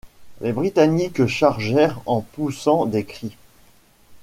Les Britanniques chargèrent en poussant des cris.